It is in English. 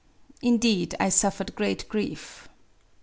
••• Indeed, I suffered great grief.